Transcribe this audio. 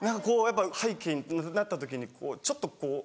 背景になった時にちょっと。